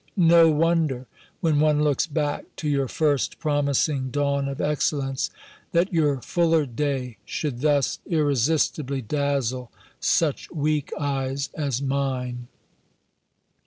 No wonder, when one looks back to your first promising dawn of excellence, that your fuller day should thus irresistibly dazzle such weak eyes as mine.